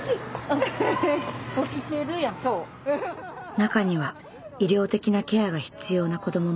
中には医療的なケアが必要な子どももいます。